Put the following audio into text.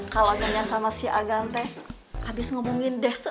kalau punya sama si agante habis ngomongin dese